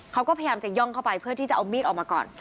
เขาก็พยายามจะย่องเข้าไปเพื่อที่จะเอามีดออกมาก่อน